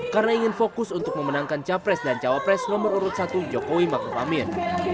karena ingin fokus untuk memenangkan capres dan cawapres nomor urut satu jokowi ma'ruf amin